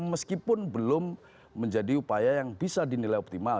meskipun belum menjadi upaya yang bisa dinilai optimal